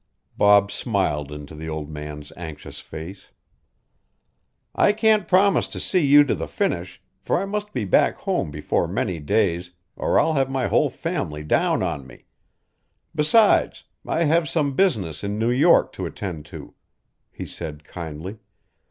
Bob smiled into the old man's anxious face. "I can't promise to see you to the finish for I must be back home before many days, or I'll have my whole family down on me. Besides, I have some business in New York to attend to," he said kindly.